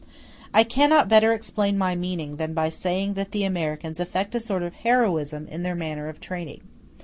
I cannot better explain my meaning than by saying that the Americans affect a sort of heroism in their manner of trading.